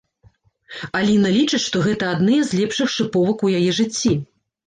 Аліна лічыць, што гэта адныя з лепшых шыповак у яе жыцці.